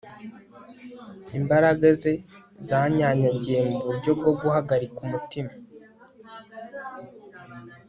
Imbaraga ze zanyanyagiye muburyo bwo guhagarika umutima